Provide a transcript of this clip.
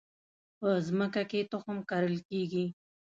په مځکه کې تخم کرل کیږي